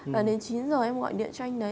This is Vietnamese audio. và đến chín giờ em gọi điện cho anh đấy